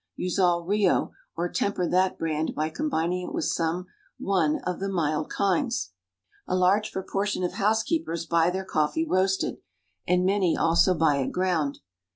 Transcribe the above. Use all Rio, or temper that brand by combining it with some one of the mild kinds. A large proportion of housekeepers buy their coffee roasted, and many also buy it ground.